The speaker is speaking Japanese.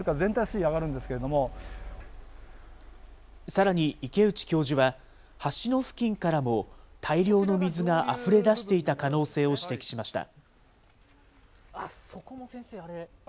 さらに、池内教授は、橋の付近からも大量の水があふれ出していた可能性を指摘しました。